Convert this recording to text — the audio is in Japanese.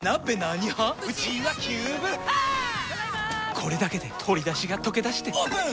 これだけで鶏だしがとけだしてオープン！